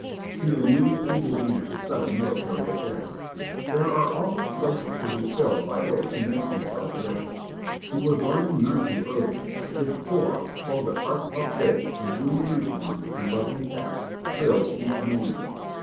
He immediately began to study military affairs. There are always places to be filled by those who make themselves ready. He was learning none too early. His corps, called the "Hearts of Oak" in green uniforms and leathern caps, drilled each morning.